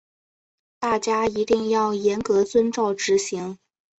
大家一定要严格遵照执行